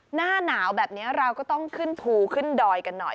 หน้าหนาวแบบนี้เราก็ต้องขึ้นภูขึ้นดอยกันหน่อย